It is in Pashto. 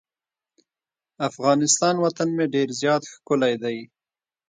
افغانستان وطن مې ډیر زیات ښکلی دی.